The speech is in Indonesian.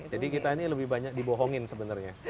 jadi kita ini lebih banyak dibohongin sebenarnya